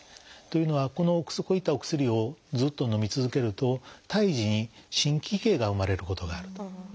というのはこういったお薬をずっとのみ続けると胎児に心奇形が生まれることがあると。